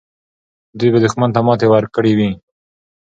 دوی به دښمن ته ماتې ورکړې وي.